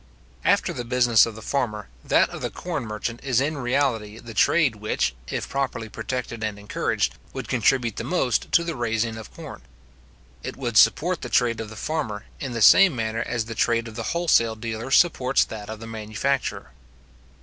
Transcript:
After the business of the farmer, that of the corn merchant is in reality the trade which, if properly protected and encouraged, would contribute the most to the raising of corn. It would support the trade of the farmer, in the same manner as the trade of the wholesale dealer supports that of the manufacturer.